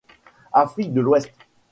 Afrique de l'Ouest.